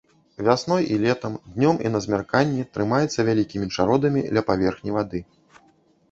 Вясной і летам, днём і на змярканні трымаецца вялікімі чародамі ля паверхні вады.